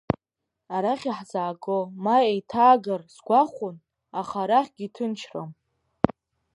Арахь иаҳзааго ма еиҭаагар сгәахәын, аха арахьгьы ҭынчрам.